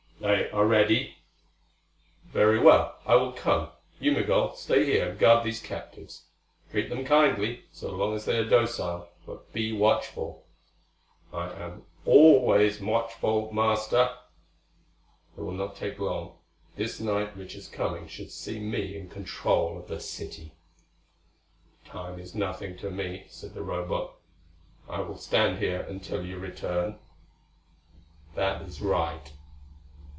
"They are ready." "Very well, I will come. You, Migul, stay here and guard these captives. Treat them kindly so long as they are docile; but be watchful." "I am always watchful, Master." "It will not take long. This night which is coming should see me in control of the city." "Time is nothing to me," said the Robot. "I will stand here until you return." "That is right."